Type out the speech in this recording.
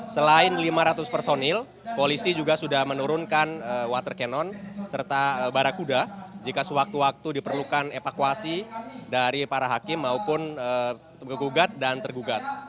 selain lima ratus personil polisi juga sudah menurunkan water cannon serta barakuda jika sewaktu waktu diperlukan evakuasi dari para hakim maupun tergugat dan tergugat